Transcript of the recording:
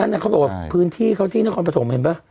นั่นเนี่ยเขาบอกว่าพื้นที่เขาที่นครปฐมเห็นป่ะ